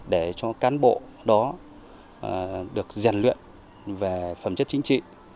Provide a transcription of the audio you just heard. để cho cán bộ đó được rèn luyện về phẩm chất chính trị